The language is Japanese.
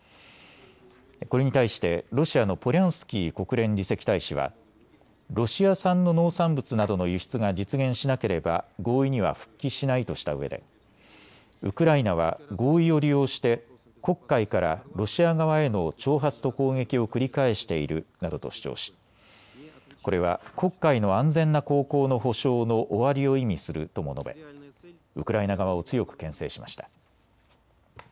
これに対してロシアのポリャンスキー国連次席大使はロシア産の農産物などの輸出が実現しなければ合意には復帰しないとしたうえでウクライナは合意を利用して黒海からロシア側への挑発と攻撃を繰り返しているなどと主張しこれは黒海の安全な航行の保証の終わりを意味するとも述べウクライナ側を強くけん制しました。